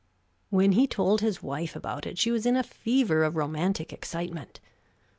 When he told his wife about it she was in a fever of romantic excitement.